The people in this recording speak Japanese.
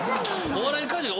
お笑い怪獣が。